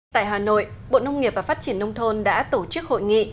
tại hà nội bộ nông nghiệp và phát triển nông thôn đã tổ chức hội nghị